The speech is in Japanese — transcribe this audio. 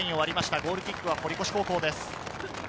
ゴールキックは堀越高校です。